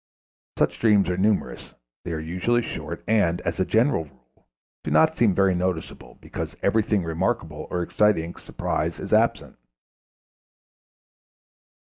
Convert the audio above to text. Such dreams are numerous; they are usually short, and, as a general rule, do not seem very noticeable, because everything remarkable or exciting surprise is absent.